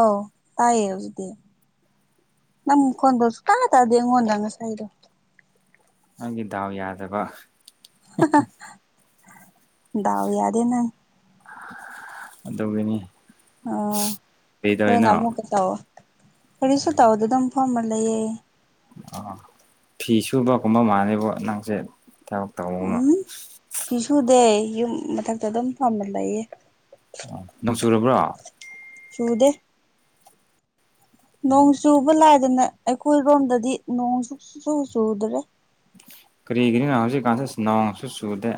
ꯑꯧ ꯇꯥꯏꯌꯦ ꯑꯗꯨꯗꯤ ꯅꯝ ꯀꯟꯁꯨ ꯇ ꯇꯗ ꯌꯦꯉꯣꯟꯗꯅꯁꯥꯏꯗꯣ ꯅꯪꯒꯤ ꯗꯥꯎ ꯌꯥꯗꯕ ꯗꯥꯎ ꯌꯥꯗꯦ ꯅ ꯑꯗꯨꯒꯤꯅꯤ ꯑ ꯀꯩꯗꯧꯔꯤꯅꯣ ꯐꯔꯅꯃꯨ ꯄꯇꯥꯑꯣꯣ ꯈꯔꯤꯁꯨ ꯇꯑꯣ ꯑꯗꯨꯗꯝ ꯃ ꯑꯃ ꯂꯩꯌꯦ ꯑ ꯐꯤ ꯁꯨꯕꯒꯨꯝꯕ ꯃꯥꯜꯅꯦꯕ ꯅꯪꯁꯦ ꯊꯕꯛ ꯇꯧꯕ ꯑꯃ ꯎꯝ ꯐꯤꯁꯨꯗꯦ ꯌꯨꯝ ꯃꯊꯛꯇ ꯑꯗꯨꯝ ꯄꯝꯕ ꯂꯩꯌꯦ ꯅꯣꯡ [unintelligible] ꯆꯨꯗꯦ ꯅꯣꯡ ꯆꯨꯕ ꯂꯥꯏꯗꯅ ꯑꯩꯈꯣꯏꯔꯣꯝꯗꯗꯤ ꯅꯣꯡ ꯁꯨ ꯆꯨꯗ꯭ꯔꯦ ꯀꯔꯤꯒꯤꯅꯤꯅꯣ ꯍꯧꯖꯤꯛꯀꯥꯟꯁꯤꯦ ꯅꯣꯡꯁꯨ ꯆꯨꯗꯦ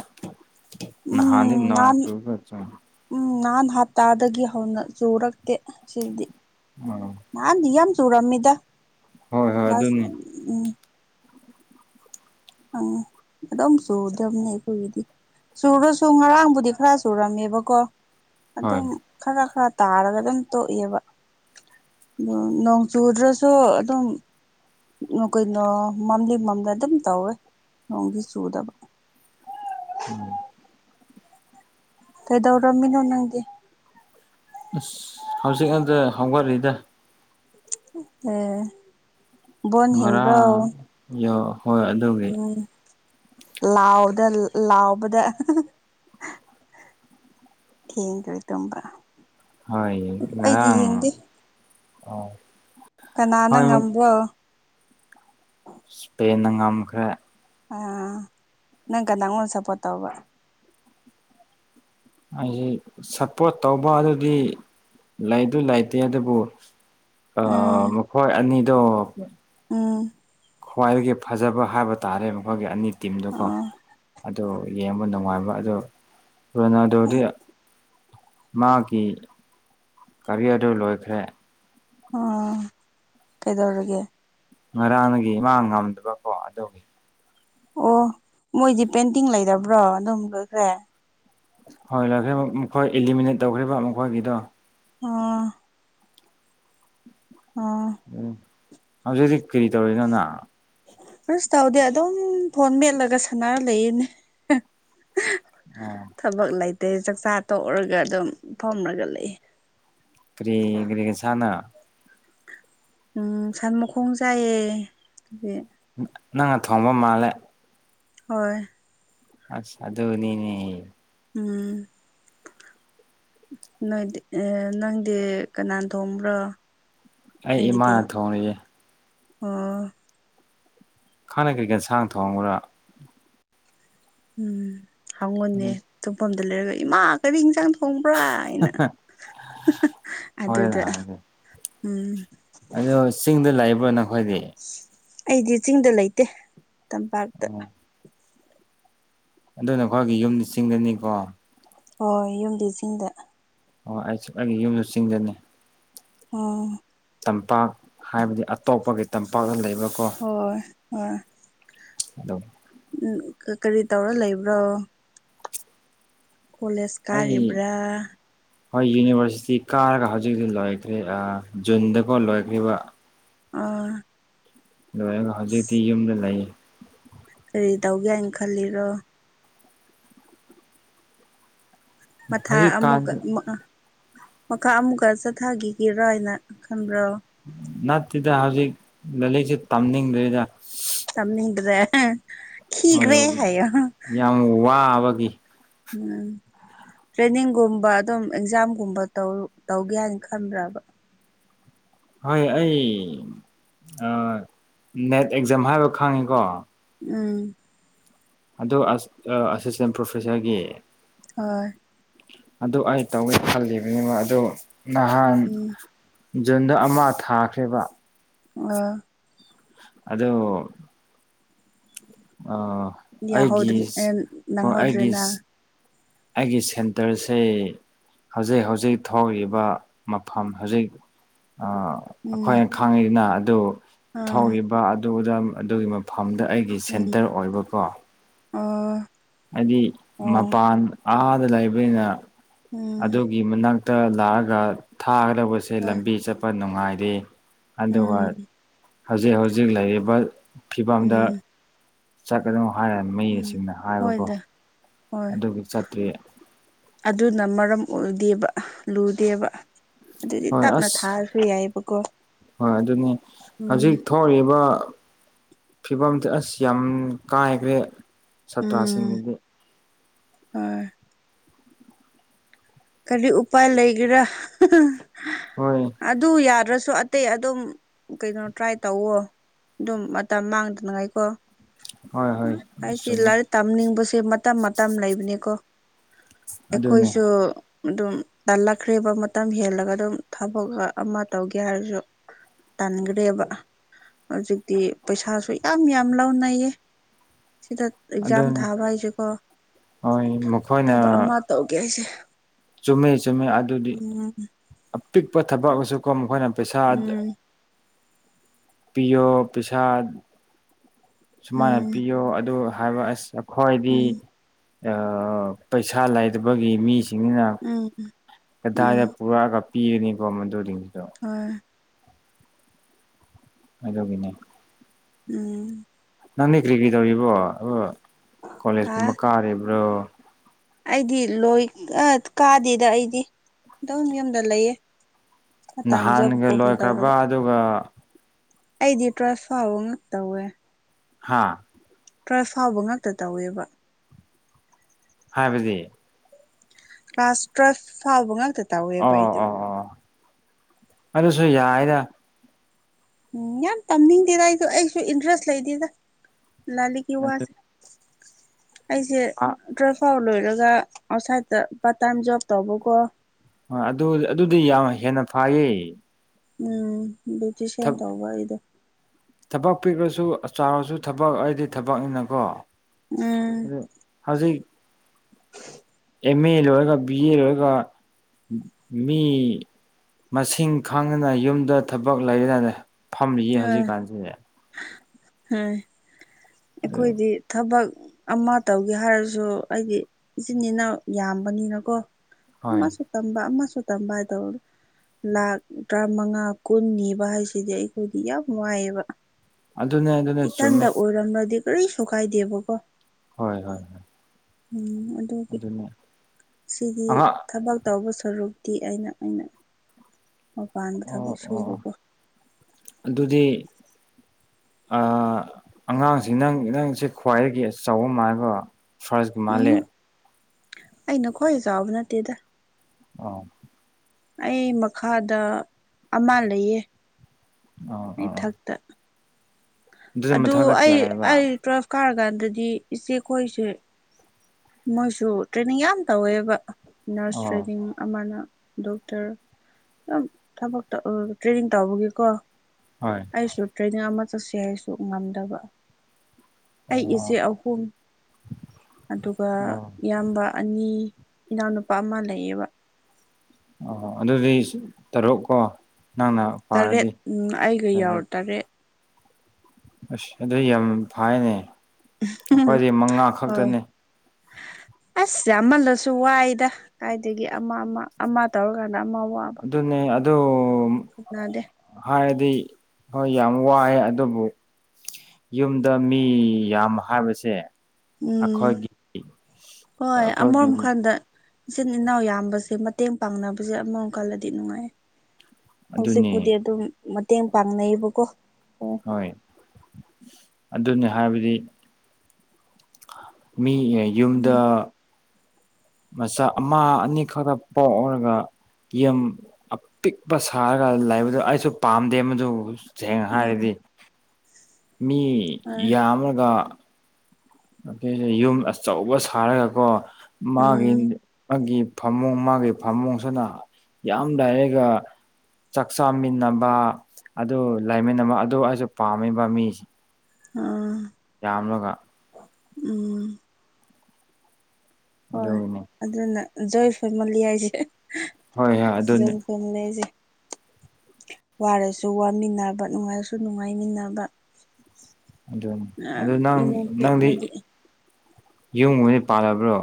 ꯅꯍꯗ ꯎꯝ ꯅ ꯅꯍꯥꯟ ꯇ ꯆ ꯎꯝ ꯅꯍꯥꯟ ꯍꯞꯇꯥꯗꯒꯤ ꯍꯧꯅ ꯆꯨꯔꯛꯇꯦ ꯁꯤꯗꯤ ꯎꯝ ꯅꯍꯥꯟꯗꯤ ꯌꯥꯝ ꯆꯨꯔꯝꯃꯤꯗ ꯍꯣꯏ ꯍꯣꯏ ꯑꯗꯨꯅꯤ ꯎꯝ ꯑꯝꯗ ꯁꯨꯗ ꯑꯅ ꯀꯣꯏꯗꯤ ꯆꯨꯔꯁꯨ ꯉꯔꯥꯡꯕꯨꯗꯤ ꯈꯔ ꯆꯨꯔꯝꯃꯦꯕꯀꯣ ꯍꯣꯏ ꯑꯗꯨꯝ ꯈꯔ ꯈꯔ ꯇꯥꯔꯒ ꯑꯗꯨꯝ ꯇꯣꯛꯏꯕ ꯑ ꯅꯣꯡ ꯆꯨꯗ꯭ꯔꯁꯨ ꯑꯗꯨꯝ ꯎ ꯀꯣꯏꯅꯣ ꯃꯝꯂꯤ ꯃꯝꯂ ꯑꯗꯨꯝ ꯇꯧꯋꯦ ꯅꯣꯡꯒꯤꯤ ꯆꯨꯗꯕ ꯎꯝ ꯀꯗꯧꯔꯝꯃꯤ ꯅꯣ ꯅꯪꯗꯤꯦ ꯑꯁ ꯍꯧꯖꯤꯛ ꯑꯗꯨꯗ ꯍꯧꯒꯠꯛꯏꯗ ꯑꯦ ꯣꯟ ꯍꯦꯕ꯭ꯔꯝ ꯉꯔꯥꯡ ꯌꯣ ꯍꯣꯏ ꯑꯗꯨꯒꯤ ꯂꯥꯎꯗ ꯂꯥꯎꯕꯗ ꯊꯦꯡꯔꯤ ꯇꯨꯝꯕ ꯍꯣꯏ ꯑꯩꯗꯤ ꯉꯔꯥꯡ ꯌꯦꯡꯗꯦ ꯑ ꯀꯅꯥꯅ ꯉꯝꯕꯣ ꯁꯄꯟꯗꯪ ꯉꯝꯈ꯭ꯔꯦ ꯑꯥ ꯅꯪ ꯀ ꯅꯪꯉꯣꯟꯗ ꯁꯞꯄꯣꯔꯠ ꯇꯧꯕ ꯍꯥꯏꯁꯤ ꯁꯞꯄꯣꯔꯠ ꯇꯧꯕ ꯑꯗꯨꯗꯤ ꯂꯩ ꯑꯗꯨ ꯂꯩꯇꯦ ꯑꯗꯨꯕꯨ ꯑ ꯎꯝ ꯃꯈꯣꯏ ꯑꯅꯤꯗꯣ ꯎꯝ ꯈ꯭ꯋꯥꯏꯗꯒꯤ ꯐꯖꯕ ꯍꯥꯏꯕ ꯇꯥꯔꯦ ꯃꯈꯣꯏꯒꯤ ꯑꯅꯤ ꯇꯤꯝꯗꯨꯀꯣ ꯑꯣ ꯑꯗꯣ ꯌꯦꯡꯕ ꯅꯨꯡꯉꯥꯏꯕ ꯑꯗꯣ ꯑꯩ ꯔꯣꯅꯥꯗꯣꯗꯤ ꯃꯥꯒꯤ ꯀꯔꯤꯌꯔꯗꯨ ꯂꯣꯏꯈ꯭ꯔꯦ ꯑꯣ ꯀꯩꯗꯧꯣꯔꯒꯦ ꯉꯔꯥꯡꯅꯒꯤ ꯏꯃꯥꯡ ꯉꯝꯗꯕꯀꯣ ꯑꯗꯨꯒꯤ ꯑꯣ ꯃꯣꯏꯗꯤ ꯄꯦꯟꯇꯤꯡ ꯂꯩꯕ꯭ꯔꯣ ꯑꯗꯨꯝ ꯂꯣꯏꯈ꯭ꯔꯦ ꯍꯣꯏ ꯂꯈ꯭ꯔꯦ ꯃꯈꯣꯏ ꯑꯦꯂꯤꯃꯤꯅꯦꯠ ꯇꯧꯈ꯭ꯔꯤꯕ ꯃꯈꯣꯏꯒꯤꯗꯣ ꯑꯥ ꯎꯝ ꯍꯧꯖꯤꯛ ꯍꯧꯖꯤꯛ ꯀꯔꯤ ꯇꯧꯔꯤꯅꯣꯅ ꯑꯁ ꯇꯧꯗꯦ ꯑꯗꯨꯝ ꯐꯣꯟ ꯃꯦꯦꯜꯂꯒ ꯁꯥꯟꯅꯔ ꯂꯩꯔꯤꯅꯦ ꯑꯣ ꯊꯕꯛ ꯂꯩꯇꯦ ꯆꯥꯛꯆꯥ ꯇꯣꯛꯔꯒ ꯑꯗꯨꯝ ꯐꯝꯔꯒ ꯂꯩ ꯀꯔꯤ ꯀꯔꯤꯒ ꯁꯅ ꯎꯝ ꯁꯥꯟꯃꯨꯈꯣꯡꯖꯌꯦ ꯅꯪꯅ ꯊꯣꯡꯕ ꯃꯥꯜꯂꯦ ꯍꯣꯏ ꯑꯁ ꯑꯗꯨ ꯑꯗꯨꯅꯤꯅꯦ ꯎꯝ ꯅꯣꯏꯗꯤ ꯅꯪꯗꯤ ꯀꯅꯥ ꯊꯣꯡꯕ꯭ꯔꯣ ꯑꯩ ꯏꯃꯥꯅ ꯊꯣꯡꯉꯌꯦꯦ ꯑ ꯈꯥꯟꯅ ꯀꯩꯀꯦꯟ ꯁꯥꯡ ꯊꯣꯡꯕ꯭ꯔꯥ ꯎꯝ ꯍꯥꯡꯉꯨꯅꯦ ꯇꯨꯝꯐꯝꯗ ꯂꯩꯔꯒ ꯏꯃꯥ ꯀꯔꯤ ꯏꯟꯁꯥꯡ ꯊꯣꯡꯕ꯭ꯔꯥ ꯍꯥꯏꯅ ꯑꯗꯨꯗ ꯎꯝ ꯑꯣ ꯆꯤꯡꯗ ꯂꯩꯕ꯭ꯔꯣ ꯅꯈꯣꯏꯗꯤ ꯑꯩꯗꯤ ꯆꯤꯡꯗ ꯂꯩꯇꯦ ꯇꯝꯄꯥꯛꯇ ꯑꯗꯨꯅ ꯑꯩꯈꯣꯏꯒꯤ ꯌꯨꯝꯗ ꯆꯤꯡꯒꯅꯤꯀꯣ ꯍꯣꯏ ꯌꯨꯝꯗꯤꯁꯤꯡꯗ ꯑꯣ ꯑꯩꯁꯨ ꯑꯩꯒꯤ ꯌꯨꯝꯁꯨ ꯆꯤꯡꯗꯅꯤ ꯑꯣ ꯇꯝꯄꯥꯛ ꯍꯥꯏꯕꯗꯤ ꯑꯇꯣꯞꯄꯒꯤ ꯇꯝꯄꯥꯛꯇ ꯂꯩꯕ꯭ꯔꯥꯀꯣ ꯍꯣꯏ ꯍꯂꯣ ꯎꯝ ꯀꯔꯤ ꯇꯧꯔ ꯂꯩꯕ꯭ꯔꯣ ꯀꯣꯂꯦꯖ ꯑꯩ ꯀꯥꯔꯤꯕ꯭ꯔꯥ ꯍꯣꯏ ꯌꯨꯅꯤꯚꯔꯁꯤꯇꯤ ꯀꯥꯔꯒ ꯍꯧꯖꯤꯛ ꯍꯧꯖꯤꯛ ꯂꯣꯏꯈ꯭ꯔꯦ ꯖꯨꯟꯗꯀ ꯂꯣꯏꯈ꯭ꯔꯤꯕ ꯑꯣ ꯂꯣꯏꯔꯒ ꯍꯧꯖꯤꯛꯇꯤ ꯌꯨꯝꯗ ꯂꯩꯌꯦ ꯀꯔꯤ ꯇꯧꯒꯦ ꯍꯥꯏꯅ ꯈꯜꯂꯤꯔꯣ ꯃꯊꯥ ꯍꯧꯖꯤꯛꯀꯥꯟ ꯑꯃꯨꯛ ꯃꯈꯥ ꯑꯃꯨꯛꯀ ꯆꯠꯊꯈꯤꯒꯔꯥ ꯍꯥꯏꯅ ꯈꯟꯕ꯭ꯔꯣ ꯅꯠꯇꯦꯗ ꯍꯧꯖꯤꯛ ꯂꯥꯏꯔꯤꯛꯁꯨ ꯇꯝꯅꯤꯡꯗ꯭ꯔꯤꯗ ꯆꯝꯃꯤꯗꯨꯗꯦ ꯍꯣꯏ ꯍꯣꯏ ꯌꯥꯝ ꯋꯥꯕꯒꯤ ꯎꯝ ꯇ꯭ꯔꯦꯅꯤꯡꯒꯨꯝꯕ ꯑꯗꯨꯝ ꯑꯦꯛꯖꯥꯝꯒꯨꯝꯕ ꯇꯧꯒꯦ ꯍꯥꯏꯅ ꯈꯟꯕ꯭ꯔꯕ ꯍꯣꯏ ꯑꯩ ꯅꯦꯠ ꯑꯦꯛꯖꯥꯝ ꯍꯥꯏꯕ ꯈꯪꯉꯤꯀꯣ ꯎꯝ ꯑꯣ ꯑꯁꯤꯁꯇꯦꯟ ꯄ꯭ꯔꯣꯐꯦꯁꯔꯒꯤ ꯑ ꯑꯗꯨ ꯑꯩ ꯇꯧꯒꯦ ꯈꯜꯂꯤꯕꯅꯦꯕ ꯑꯗꯨ ꯅꯍꯥꯟ ꯎꯝ ꯖꯨꯟꯗ ꯑꯃ ꯊꯥꯈ꯭ꯔꯕ ꯑ ꯑꯗꯣ ꯑ ꯌꯥꯍꯧꯗ꯭ꯔꯤ ꯑꯩꯒꯤꯁ ꯑꯣ ꯅꯪꯍꯧꯗ꯭ꯔꯦꯅ ꯑꯩꯒꯤꯁ ꯑꯩꯒꯤ ꯁꯦꯟꯇꯔꯁꯦ ꯍꯧꯖꯤꯛ ꯍꯧꯖꯤꯛ ꯊꯣꯛꯔꯤꯕ ꯃꯐꯝ ꯍꯧꯖꯤꯛ ꯎꯝ ꯑꯩꯈꯣꯏꯅ ꯈꯪꯉꯤꯗꯅ ꯑꯗꯨ ꯑꯥ ꯊꯧꯔꯤꯕ ꯑꯗꯨꯗ ꯑꯗꯨꯒꯤ ꯃꯐꯝ ꯃꯐꯝꯗ ꯑꯩꯒꯤ ꯁꯦꯟꯇꯔ ꯑꯣꯏꯕꯀꯣ ꯑ ꯍꯥꯏꯗꯤ ꯃꯄꯥꯟ ꯑꯥꯗ ꯂꯩꯕꯅꯤꯅ ꯎꯝ ꯑꯗꯨꯒꯤ ꯃꯅꯥꯛꯇ ꯇ ꯂꯥꯛꯑꯒ ꯊꯥꯒꯗꯧꯕꯁꯦ ꯍꯣꯏ ꯂꯝꯕꯤ ꯆꯠꯄ ꯅꯨꯡꯉꯥꯏꯔꯦ ꯑꯗꯨꯒ ꯎꯝ ꯍꯧꯖꯤꯛ ꯍꯧꯖꯤꯛ ꯂꯩꯔꯤꯕ ꯐꯤꯕꯝꯗ ꯎꯝ ꯆꯠꯀꯗꯅꯣ ꯍꯥꯏꯔꯦ ꯎꯝ ꯃꯌꯦꯛꯁꯤꯡꯅ ꯍꯥꯏꯕꯀꯣ ꯍꯣꯏꯗ ꯍꯣꯏ ꯑꯗꯨꯒꯤ ꯆꯠꯇ꯭ꯔꯤ ꯑꯗꯨꯅ ꯃꯔꯝ ꯑꯣꯏꯗꯦꯕ ꯂꯨꯗꯦꯕ ꯑꯗꯨꯗꯤ ꯍꯣꯏ ꯇꯞꯅ ꯑꯁ ꯊꯥꯔꯁꯨ ꯌꯥꯏꯕꯀꯣ ꯍꯣꯏ ꯑꯗꯨꯅꯤ ꯍꯧꯖꯤꯛ ꯊꯣꯛꯕ ꯐꯤꯕꯝꯗꯤ ꯑꯁ ꯌꯥꯝ ꯀꯥꯏꯈ꯭ꯔꯦ ꯁꯥꯇ꯭ꯔꯁꯤꯡꯒꯤꯗꯤ ꯑꯣꯏ ꯀꯔꯤ ꯎꯄꯥꯏ ꯂꯩꯒꯦꯔꯥ ꯍꯣꯏ ꯑꯗꯨ ꯌꯥꯗ꯭ꯔꯁꯨ ꯑꯇꯩ ꯑꯗꯨꯝ ꯀꯩꯅꯣ ꯇ꯭ꯔꯥꯏ ꯇꯧꯋꯣ ꯑꯗꯨꯝ ꯃꯇꯝ ꯃꯥꯡꯗꯅꯉꯥꯏꯀꯣ ꯍꯣꯏ ꯍꯣꯏ ꯍꯥꯏꯥꯏꯁꯤ ꯆꯨꯝꯃꯦ ꯂꯔꯦ ꯇꯝꯅꯤꯁ ꯁꯦ ꯃꯇꯝ ꯃꯇꯝ ꯂꯩꯕꯅꯦꯀꯣ ꯑꯗꯨꯅꯤ ꯑꯩꯈꯣꯏꯁꯨ ꯑꯗꯨꯝ ꯇꯜꯂꯛꯈ꯭ꯔꯤꯕ ꯃꯇꯝ ꯍꯦꯜꯂꯒ ꯑꯗꯨꯝ ꯊꯕꯛ ꯑꯃ ꯇꯧꯒꯦ ꯍꯥꯏꯔꯁꯨ ꯇꯟꯈ꯭ꯔꯦꯕ ꯍꯧꯖꯤꯛꯇꯤ ꯄꯩꯁꯥꯁꯨ ꯌꯥꯝ ꯌꯥꯝ ꯂꯧꯅꯩꯌꯦ ꯁꯤꯗ ꯑꯦꯛꯖꯥꯝ ꯑꯗꯨꯅꯤ ꯊꯥꯕ ꯍꯥꯏꯁꯦꯀꯣ ꯍꯣꯏ ꯃꯈꯣꯏꯅ ꯊꯕꯛ ꯑꯃ ꯇꯧꯒꯦ ꯍꯥꯏꯁꯦ ꯆꯨꯝꯃꯤ ꯆꯨꯝꯃꯤ ꯑꯗꯨꯗꯤ ꯎꯝ ꯑꯄꯤꯛꯄ ꯊꯕꯛꯑꯁꯨꯀꯣ ꯃꯈꯣꯏꯅ ꯄꯩꯁꯥꯗ ꯎꯝ ꯄꯤꯌꯣ ꯄꯩꯁꯥ ꯁꯨꯃꯥꯏꯅ ꯎꯝ ꯄꯤꯌꯣ ꯑꯗꯨ ꯍꯥꯏꯕ ꯑꯁ ꯈ꯭ꯋꯥꯏꯗꯤ ꯎꯝ ꯄꯩꯁꯥ ꯂꯩꯇꯕꯒꯤ ꯃꯤꯁ ꯁꯤꯡꯁꯤꯅ ꯎꯝ ꯀꯗꯥꯏꯗ ꯄꯨꯔꯛꯑꯒ ꯄꯤꯒꯅꯤꯀꯣ ꯃꯗꯨꯗꯤ ꯍ ꯀꯗꯧꯒꯤꯅꯦ ꯎꯝ ꯅꯪꯅꯦ ꯀꯔꯤ ꯀꯔꯤ ꯇꯧꯔꯤꯕꯣ ꯑ ꯑ ꯀꯣꯂꯦꯖꯀꯨꯝꯕ ꯀꯥꯔꯤꯕ꯭ꯔꯣ ꯑꯩꯗꯤ ꯂꯣꯏ ꯀꯥꯗꯦꯗ ꯑꯩꯗꯤ ꯑꯗꯨꯝ ꯌꯨꯝꯗ ꯂꯩꯌꯦ ꯑ ꯇꯥꯏꯖꯣꯕ ꯅꯍꯥꯟꯒ ꯀꯣ ꯃꯤ ꯂꯣꯏꯈ꯭ꯔꯕ ꯇꯔꯣꯒ ꯑꯗꯨꯒ ꯑꯩꯗꯤ ꯇ꯭ꯔꯥꯟꯁꯐꯥꯕ ꯉꯥꯛ ꯇꯧꯋꯦ ꯍꯥꯥ ꯇ꯭ꯋꯦꯜꯐ ꯐꯥꯎꯕ ꯉꯛꯇ ꯇꯧꯋꯦꯕ ꯍꯥꯏꯕꯤꯗꯤ ꯀ꯭ꯂꯥꯁ ꯇ꯭ꯋꯦꯜꯐ ꯐꯥꯎꯕ ꯉꯇ ꯇꯧꯋꯦꯕ ꯑꯣ ꯑꯩꯗꯣ ꯁꯨ ꯌꯥꯏꯗ ꯎꯝ ꯌꯥꯝ ꯇꯝꯅꯤꯡꯗꯦꯗ ꯑꯩꯁꯨꯣ ꯑꯩꯁꯨ ꯏꯟꯇꯔꯦꯁ ꯂꯩꯗꯦꯗ ꯂꯥꯂꯤꯛꯀꯤ ꯋꯥꯁꯦ ꯑꯩꯁꯦ ꯗ꯭ꯔ ꯐ ꯂꯣ ꯑꯗꯨꯒ ꯑꯥꯎꯠꯁꯥꯏꯗꯠꯇ ꯄꯥꯔꯠ ꯇꯥꯏꯝ ꯖꯣꯕ ꯇꯧꯕꯀꯣ ꯑꯗꯨ ꯑꯗꯨꯗꯤ ꯌꯥꯝ ꯍꯦꯟꯅ ꯐꯥꯏꯌꯦ ꯎꯝ ꯕ꯭ꯌꯨꯇꯁꯤꯌꯥꯟ ꯇꯧꯕ ꯑꯩꯗꯣ ꯊꯕꯛ ꯄꯤꯈ꯭ꯔꯁꯨ ꯆꯥꯎꯔꯁꯨ ꯊꯕꯛ ꯑꯩꯗꯤ ꯊꯕꯛꯅꯤꯅꯀꯣ ꯎꯝ ꯑꯗꯨ ꯍꯧꯖꯤꯛ ꯑꯦꯝ ꯑꯦ ꯂꯣꯏꯔꯒ ꯕꯤ ꯑꯦ ꯂꯣꯏꯔꯒ ꯃꯤ ꯃꯁꯤꯡ ꯈꯪꯗꯅ ꯌꯨꯝꯗ ꯊꯕꯛ ꯂꯩꯗꯅ ꯐꯝꯃꯤꯌꯦ ꯍꯧꯖꯤꯛꯀꯥꯟꯁꯤꯗꯤ ꯎꯣꯏ ꯑꯩꯈꯣꯏꯗꯤ ꯊꯕꯛ ꯑꯃ ꯇꯧꯒꯦ ꯍꯥꯏꯔꯁꯨ ꯑꯩꯗꯤ ꯏꯆꯤꯟ ꯏꯅꯥ ꯌꯥꯝꯕꯅꯤꯅꯀꯣ ꯍꯣꯏ ꯁꯛꯇꯝꯕꯁꯨ ꯇꯝꯥꯏ ꯇꯧ ꯂꯥꯛ ꯇꯔꯥꯃꯉꯥ ꯀꯨꯟ ꯅꯤꯕ ꯍꯥꯏꯁꯤꯗꯤ ꯑꯩ ꯈꯗꯤ ꯌꯥꯝ ꯋꯥꯏꯑꯦꯕ ꯑꯗꯨꯅꯦ ꯑꯗꯨꯅꯦ ꯏꯊꯟꯗ ꯆꯨꯝꯃꯦ ꯑꯣꯏꯔꯝꯅꯗꯤ ꯇ ꯁꯨꯀꯥꯏꯗꯕꯣ ꯀꯣ ꯍꯣꯏ ꯍꯣꯏ ꯎꯝ ꯑꯗꯨꯒꯤ ꯑꯗꯨꯅꯦ ꯁꯤꯗꯤ ꯑꯍꯥꯛ ꯊꯕꯛ ꯇꯧꯕꯁꯨ ꯁꯔꯨꯛꯇꯤ ꯑꯩꯅ ꯑꯩꯅ ꯃꯄꯥꯟꯗ ꯊꯕꯛ ꯑꯣ ꯑꯣ ꯁꯨꯕꯀꯣ ꯑꯗꯨꯗꯤ ꯑꯉꯥꯡꯁꯤ ꯅꯪ ꯅꯪꯁꯦ ꯈ꯭ꯋꯥꯏꯗꯒꯤ ꯑꯆ ꯃꯥꯕ ꯐꯔꯦꯁꯀꯤ ꯃꯥꯂꯦ ꯎꯝ ꯑꯩꯅ ꯈ꯭ꯋꯥꯏ ꯆꯥꯎꯕ ꯅꯠꯇꯦꯗ ꯑ ꯑꯩ ꯃꯈꯥꯗ ꯑꯃ ꯂꯩꯌꯦ ꯑꯣ ꯑꯣ ꯑꯩꯊꯛꯇ ꯑꯗꯨꯗꯤ ꯑꯗꯨ ꯃꯊꯛꯇ ꯑꯩ ꯀꯌꯥ ꯂꯩꯕ ꯑꯩ ꯇꯨꯋꯦꯜꯐ ꯀꯥꯔꯀꯥꯟꯗꯗꯤ ꯏꯆꯦ ꯈꯣꯏꯁꯦ ꯃꯣꯏꯁꯨ ꯇ꯭ꯔꯦꯅꯤꯡ ꯌꯥꯝ ꯇꯧꯋꯦꯕ ꯅꯔꯁ ꯑꯣ ꯇ꯭ꯔꯦꯅꯤꯡ ꯑꯃꯅ ꯗꯣꯛꯇꯔ ꯌꯥꯝ ꯊꯕ ꯇ꯭ꯔꯦꯅꯤꯡ ꯇꯧꯕꯒꯤꯀꯣ ꯍꯣꯏ ꯑꯩꯁꯨ ꯇ꯭ꯔꯦꯅꯤꯡ ꯑꯃ ꯆꯠꯁꯤ ꯍꯥꯏꯁꯨ ꯉꯝꯗꯕ ꯑꯩ ꯑꯣ ꯏꯆꯦ ꯑꯍꯨꯝ ꯑꯗꯨꯒ ꯑꯣ ꯏꯌꯥꯝꯕ ꯑꯅꯤ ꯏꯅꯥꯎꯅꯨꯄꯥ ꯑꯃ ꯂꯩꯌꯦꯕ ꯑ ꯑꯗꯨꯗꯤ ꯇꯔꯨꯛꯀꯣ ꯅꯪꯅ ꯄꯥꯔꯗꯤ ꯇꯔꯦꯠ ꯎꯝ ꯑꯩꯒ ꯐꯔꯦ ꯌꯥꯎꯔ ꯇꯔꯦꯠ ꯑꯁ ꯑꯗꯨ ꯌꯥꯝ ꯐꯥꯏꯅꯦ ꯑꯩꯈꯣꯏꯗꯤ ꯃꯉꯥ ꯈꯛꯇꯅꯦ ꯑꯁꯁꯦ ꯑꯃꯜꯂꯁꯨ ꯋꯥꯏꯗ ꯀꯥꯏꯗꯒꯤ ꯑꯃ ꯑꯃ ꯑꯃ ꯇꯧꯔꯀꯥꯟꯗ ꯃ ꯋꯥꯕ ꯑꯗꯨꯣ ꯐꯅꯥꯗꯦ ꯍꯥꯏꯔꯗꯤ ꯍꯣꯏ ꯌꯥꯝ ꯋꯥꯏꯑꯦ ꯑꯗꯨꯕꯨ ꯌꯨꯝꯗ ꯃꯤ ꯌꯥꯝ ꯍꯥꯏꯕꯁꯦ ꯎꯝ ꯑꯈꯣꯏꯒꯤ ꯍꯣꯏ ꯑꯃꯔꯣꯝ ꯑꯈꯣꯏꯒꯤꯔꯤ ꯀꯥꯟꯗ ꯏꯆꯤꯟ ꯏꯅꯥꯎ ꯌꯥꯝꯕꯁꯦ ꯃꯇꯦꯡ ꯄꯥꯡꯅꯕꯁꯦ ꯑꯃꯃꯝꯀꯜꯂꯗꯤ ꯅꯨꯡꯉꯥꯏ ꯑꯗꯨꯅꯤ ꯍꯧꯖꯤꯛꯄꯨꯗꯤ ꯑꯗꯨꯝ ꯃꯇꯦꯡ ꯄꯥꯡꯅꯩꯌꯦꯕꯀꯣ ꯍꯣꯏ ꯑꯗꯨꯅꯤ ꯍꯥꯏꯕꯗꯤ ꯃꯤ ꯌꯨꯝꯗ ꯎꯝ ꯃꯆꯥ ꯑꯃ ꯑꯅꯤ ꯈꯛꯇ ꯄꯣꯛꯎꯔꯒ ꯌꯦ ꯄꯤꯛꯄ ꯁꯥꯔꯒ ꯂꯩꯕꯗꯨ ꯑꯩꯁꯨ ꯄꯥꯝꯗꯦ ꯃꯗꯨ ꯁꯦꯡ ꯎꯝ ꯍꯥꯏꯔꯗꯤ ꯃꯤ ꯍꯣꯏ ꯌꯥꯝꯃꯒ ꯑꯇꯩꯁ ꯌꯨꯝ ꯑꯆꯧꯕ ꯁꯥꯔꯒꯀꯣ ꯃꯥꯒꯤ ꯎꯝ ꯃꯥꯒꯤ ꯐꯃꯨꯡ ꯃꯥꯒꯤ ꯐꯃꯨꯡꯁꯤꯅ ꯌꯥꯝ ꯂꯥꯏꯔꯒ ꯆꯥꯛ ꯆꯥꯃꯤꯟꯅꯕ ꯑꯗꯨ ꯂꯩꯃꯤꯟꯅꯕ ꯑꯗꯨ ꯑꯩꯁꯨ ꯄꯥꯝꯃꯤꯕ ꯃꯤꯁ ꯑ ꯌꯥꯝꯂꯣꯒ ꯎ ꯍꯣꯏ ꯑꯗꯨꯒꯤꯅꯤ ꯑꯗꯨꯅ ꯖꯣꯏ ꯐꯦꯃꯂꯤ ꯍꯥꯏꯁꯦ ꯍꯣꯏ ꯍꯣꯏ ꯑꯗꯨꯅꯤ ꯪ ꯐ ꯂꯩꯁꯦ ꯋꯥꯔꯁꯨ ꯋꯥꯃꯤꯟꯅꯕ ꯅꯨꯡꯉꯥꯏꯔꯁꯨ ꯅꯨꯡꯉꯥꯏꯃꯤꯟꯅꯕ ꯑꯗꯨ ꯑꯗꯨ ꯅꯪ ꯏꯃꯨꯡ ꯅꯪꯗꯤ ꯄꯤꯛꯂꯗꯤ ꯌꯨꯝꯉꯗꯤ ꯄꯥꯜꯂꯕ꯭ꯔꯣ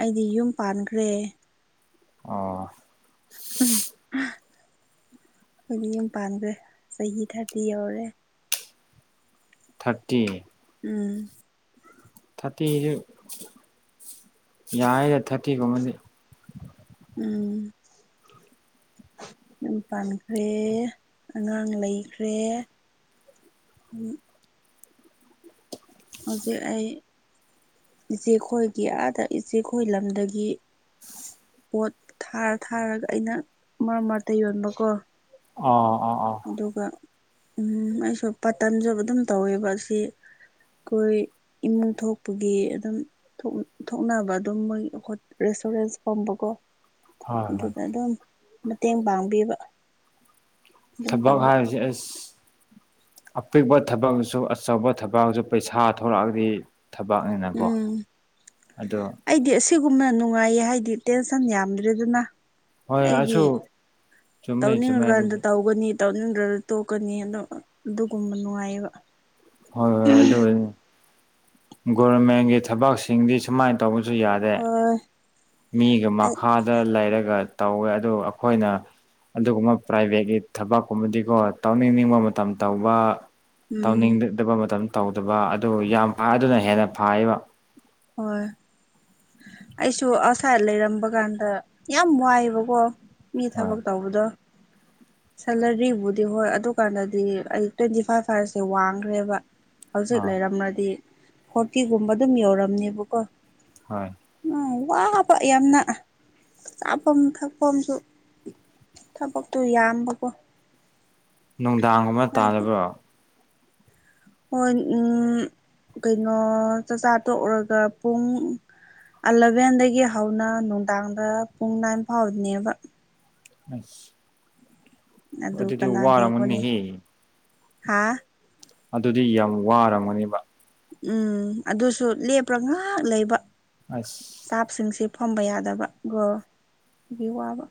ꯑꯩꯗꯤ ꯌꯨꯝ ꯄꯥꯟꯈ꯭ꯔꯦ ꯑ ꯎꯝ ꯍꯧꯗꯤ ꯌꯥꯝ ꯄꯥꯟꯈ꯭ꯔꯦ ꯆꯍꯤ ꯊꯥꯔꯗꯤꯤ ꯌꯧꯔꯦ ꯊꯥꯔꯇꯤ ꯎꯝ ꯊꯥꯔꯇꯤꯁꯨ ꯌꯥꯔꯔꯦ ꯊꯥꯔꯇꯤꯒꯨꯝꯕꯗꯤ ꯎꯝ ꯌꯨꯝ ꯄꯥꯟꯈ꯭ꯔꯦ ꯑꯉꯥꯡ ꯂꯩꯈ꯭ꯔꯦ ꯎꯝ ꯍꯧꯖꯤꯛ ꯑꯩ ꯏꯆꯦ ꯈꯣꯏꯒꯤ ꯑꯥꯗ ꯏꯆꯦ ꯈꯣꯏ ꯂꯝꯗꯒꯤ ꯄꯣꯠ ꯊꯥꯔ ꯊꯥꯔꯒ ꯑꯩꯅ ꯃꯔꯛ ꯃꯔꯇ ꯌꯣꯟꯕꯀꯣ ꯑ ꯑꯗꯨꯒ ꯎ ꯑꯩꯁꯨ ꯄꯥꯇꯟꯁꯨ ꯑꯗꯨꯝ ꯇꯧꯋꯦꯕ ꯑꯁꯤ ꯑꯩꯈꯣꯏ ꯏꯃꯨꯡ ꯊꯣꯛꯄꯒꯤ ꯑꯗꯨꯝ ꯊꯣꯛꯅꯕ ꯑꯗꯨꯝ ꯃꯣꯏ ꯁꯨꯔꯦꯁ ꯀꯝꯝꯕꯒꯣ ꯍꯣꯏ ꯍꯣꯏ ꯑꯗꯨꯗ ꯑꯗꯨꯝ ꯃꯇꯦꯡ ꯄꯥꯡꯕꯤꯕ ꯑꯗꯨꯝ ꯊꯕꯛ ꯇꯧꯕ ꯍꯥꯏꯔꯤꯁ ꯑꯁ ꯑꯄꯤꯛꯄ ꯊꯕꯛꯁꯨ ꯑꯆꯧꯕ ꯊꯕꯛꯁꯨ ꯄꯩꯁꯥ ꯊꯣꯛꯂꯛꯑꯗꯤ ꯊꯕꯛꯅꯤꯅꯀꯣ ꯑꯗꯣ ꯁꯤꯒꯨꯝꯅ ꯅꯨꯡꯉꯥꯏꯌꯦ ꯍꯥꯏꯗꯤ ꯇꯦꯟꯁꯟ ꯌꯥꯝꯗ꯭ꯔꯦꯗꯅ ꯍꯣꯏ ꯑꯩꯒꯤ ꯑꯁꯨ ꯆꯨꯝꯃꯦ ꯆꯨꯝꯃꯦ ꯇꯧꯅꯤꯡꯉꯀꯥꯟꯗ ꯑꯗꯨꯗꯤ ꯇꯧꯒꯅꯤ ꯇꯧꯅꯤꯡꯗ꯭ꯔꯗ ꯇꯣꯛꯀꯅꯤ ꯑ ꯑꯗꯨꯒꯨꯝꯕ ꯅꯨꯡꯉꯥꯏꯌꯦꯕ ꯍꯣꯏ ꯍꯣꯏ ꯑꯗꯨ ꯒꯣꯔꯃꯦꯟꯒꯤ ꯊꯕꯛꯁꯤꯡꯗꯤ ꯁꯨꯃꯥꯏꯅ ꯇꯧꯕ ꯁꯨ ꯌꯥꯗꯦ ꯍꯣꯏ ꯃꯤꯒ ꯑꯩ ꯃꯈꯥꯗ ꯂꯩꯔꯒ ꯇꯧꯋꯦ ꯑꯗꯨ ꯑꯩꯈꯣꯏꯅ ꯑꯗꯨꯒꯨꯝꯕ ꯄ꯭ꯔꯥꯏꯚꯦꯠꯀꯤ ꯊꯕꯛꯀꯨꯝꯕꯗꯤꯀꯣ ꯇꯧꯅꯤꯡꯅꯤꯡꯕ ꯃꯇꯝ ꯇꯧꯕ ꯎꯝ ꯇꯧꯅꯤꯡꯗꯕ ꯃꯇꯝ ꯇꯧꯗꯕ ꯑꯗꯨ ꯌꯥꯝ ꯐ ꯑꯗꯨꯅ ꯍꯦꯟꯅ ꯐꯥꯏꯕ ꯑꯣ ꯑꯩꯁꯨ ꯑꯥꯎꯁꯥꯏꯗ ꯂꯩꯔꯝꯕ ꯀꯥꯟꯗ ꯌꯥꯝ ꯋꯥꯏꯑꯕꯀꯣ ꯃꯤ ꯍꯣꯏ ꯊꯕꯛ ꯇꯧꯕꯗꯣ ꯁꯦꯂꯔꯤꯕꯨꯗꯤ ꯍꯣꯏ ꯑꯗꯨꯀꯥꯟꯗꯗꯤ ꯑꯩ ꯇ꯭ꯋꯦꯟꯇꯤ ꯐꯥꯏꯚ ꯍꯥꯏꯔꯁꯦ ꯋꯥꯡꯈ꯭ꯔꯦꯕ ꯍꯧꯖꯤꯛ ꯑꯥ ꯂꯩꯔꯝꯂꯗꯤ ꯐꯣꯔꯇꯤꯒꯨꯝꯕ ꯑꯗꯨꯝ ꯌꯧꯔꯝꯅꯦꯕꯀꯣ ꯍꯣꯏ ꯎꯝ ꯋꯥꯕ ꯌꯥꯝꯅ ꯆꯥꯐꯝ ꯊꯛꯐꯝꯁꯨ ꯊꯕꯛꯇꯨ ꯌꯥꯝꯕꯀꯣ ꯅꯨꯡꯗꯥꯡꯒꯨꯝꯕ ꯍꯥꯏꯗꯤ ꯇꯥꯜꯂꯕ꯭ꯔꯣ ꯍꯣꯏ ꯎꯝ ꯀꯩꯅꯣ ꯆꯥꯛꯆꯥ ꯇꯣꯛꯔꯒ ꯄꯨꯡ ꯑꯂꯚꯦꯟꯗꯒꯤ ꯍꯧꯅ ꯅꯨꯡꯗꯥꯡꯗ ꯄꯨꯡ ꯅꯥꯏꯟ ꯐꯥꯎꯗꯅꯦꯕ ꯑ ꯑꯗꯨ ꯀꯅꯥ ꯌꯦꯀꯣꯅꯦ ꯍꯥ ꯑꯗꯨꯗꯤ ꯌꯥꯝ ꯋꯥꯔꯝꯒꯅꯦꯕ ꯎꯝ ꯑꯗꯨꯁꯨ ꯂꯦꯞꯄ꯭ꯔꯥ ꯉꯍꯥꯛ ꯂꯩꯕ ꯑ ꯏꯁꯇꯥꯞꯁꯤꯡꯁꯦ ꯐꯝꯕ ꯌꯥꯗꯕ ꯒꯣꯒꯤ ꯋꯥꯕ